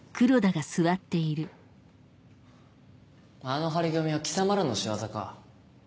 あの貼り紙は貴様らの仕業か。